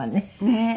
ねえ。